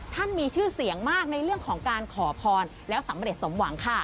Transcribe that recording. มีชื่อเสียงมากในเรื่องของการขอพรแล้วสำเร็จสมหวังค่ะ